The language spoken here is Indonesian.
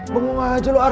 pengung aja lu ar